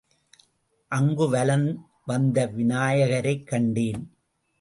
அங்கு வலம் வந்த விநாயகரைக் கண்டேன்.